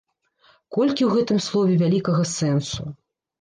Колькі ў гэтым слове вялікага сэнсу!